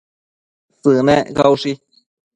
Sënec caushi